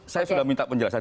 saya minta penjelasan